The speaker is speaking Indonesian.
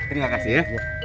terima kasih ya